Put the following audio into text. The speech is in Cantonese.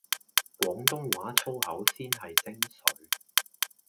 廣東話粗口先係精粹